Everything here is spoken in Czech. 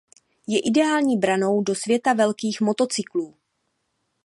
Je ideální branou do světa velkých motocyklů.